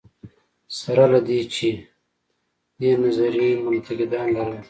سره له دې چې دې نظریې منتقدان لرل.